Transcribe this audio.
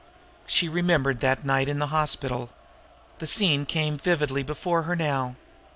She remembered that night in the hospital. The scene came vividly before her now.